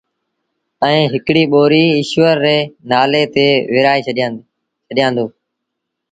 ائيٚݩ هڪڙيٚ ٻوريٚ ايٚشور ري نآلي تي ورهآئي ڇڏي دو